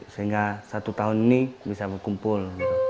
sehingga satu tahun ini bisa berkumpul